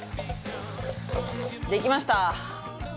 できました！